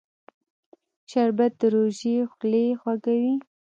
شربت د روژې خولې خوږوي